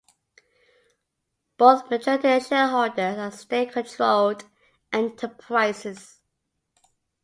Both majority shareholders are state controlled enterprises.